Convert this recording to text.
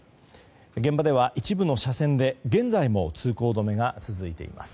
現場では一部の車線で現在も通行止めが続いています。